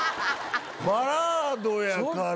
バラードやから。